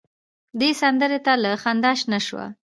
دې سندره ته له خندا شنه شوه.